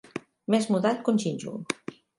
Més mudat que un gínjol.